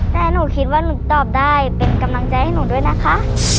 แต่หนูคิดว่าหนูตอบได้เป็นกำลังใจให้หนูด้วยนะคะ